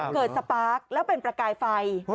สปาร์คแล้วเป็นประกายไฟ